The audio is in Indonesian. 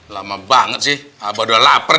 lama banget sih abah udah lapar nih